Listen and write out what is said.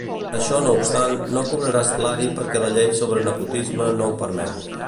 Això no obstant, no cobrarà salari perquè la llei sobre nepotisme no ho permet.